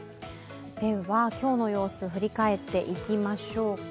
今日の様子を振り返っていきましょうか。